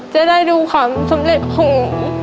จะได้ดูความสำเร็จของหนู